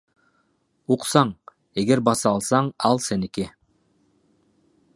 Уксаң, эгер баса алсаң ал сеники.